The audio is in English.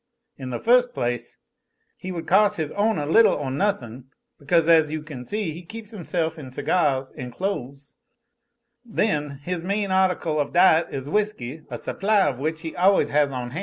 In the first place, he would cos' his ownah little or nothin', because, as you see, he keeps himself in cigahs an' clo'es; then, his main article of diet is whisky a supply of which he always has on ban'.